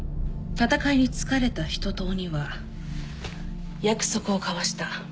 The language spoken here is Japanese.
戦いに疲れた人と鬼は約束を交わした。